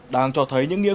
đang cho thấy những khó khăn